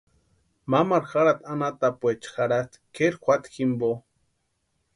Mamaru jarhati anhatapuecha jarhasti kʼeri juata jimpo.